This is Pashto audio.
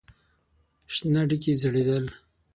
شنه ډکي ځړېدل.